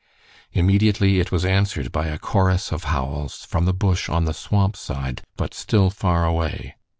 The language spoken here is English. Immediately it was answered by a chorus of howls from the bush on the swamp side, but still far away.